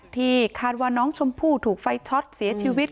ที่คาดว่าน้องชมพู่ถูกไฟช็อตเสียชีวิต